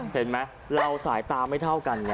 เห็นไหมเราสายตาไม่เท่ากันไง